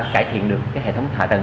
cải thiện được cái hệ thống hạ tầng